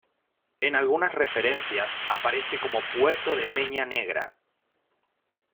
En algunas referencias aparece como puerto de Peña Negra.